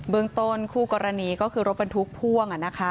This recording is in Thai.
เบื้องต้นคู่กรณีก็คือรบกันทุกภ่วงอ่ะนะคะ